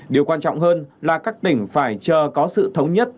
điều quan trọng hơn là các tỉnh phải chờ có sự thống nhất